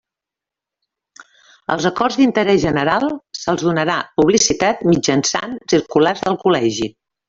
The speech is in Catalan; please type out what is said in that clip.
Als acords d'interès general se'ls donarà publicitat mitjançant circulars del Col·legi.